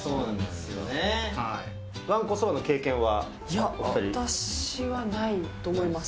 いや、私はないと思います。